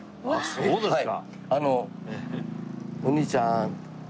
そうですか。